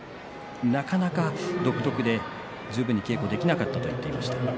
なかなか独特で十分に稽古できなかったと言っていました。